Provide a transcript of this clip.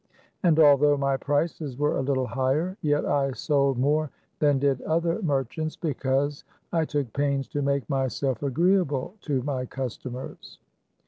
And although my prices were a little higher, yet I sold more than did other merchants, because I took pains to make myself agreeable to my customers.